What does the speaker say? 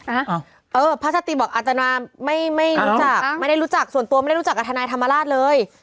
อ้าวเออพระชาตรีบอกอัตมาไม่ไม่รู้จักไม่ได้รู้จักส่วนตัวไม่ได้รู้จักกับทนายธรรมราชเลย